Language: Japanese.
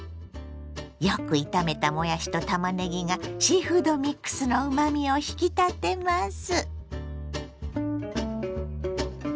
よく炒めたもやしとたまねぎがシーフードミックスのうまみを引き立てます。